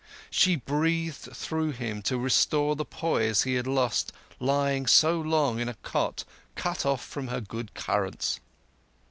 She breathed through him to restore the poise he had lost lying so long on a cot cut off from her good currents.